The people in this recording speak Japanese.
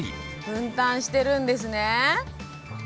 分担してるんですね。